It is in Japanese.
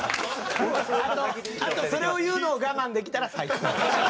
あとそれを言うのを我慢できたら最高。